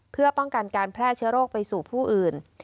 เพื่อป้องกันการแพร่เชื้อโรคไปสู่ผู้อื่น